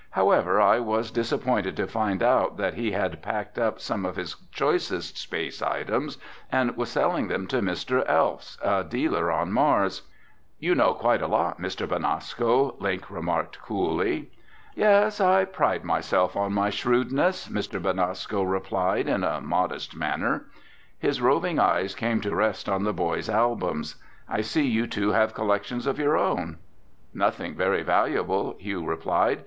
"However, I was disappointed to find out that he had packed up some of his choicest space items and was selling them to Mr. Elfs, a dealer on Mars." "You know quite a lot, Mr. Benasco," Link remarked coolly. "Yes, I pride myself on my shrewdness," Mr. Benasco replied in a modest manner. His roving eyes came to rest on the boys' albums. "I see you two have collections of your own." "Nothing very valuable," Hugh replied.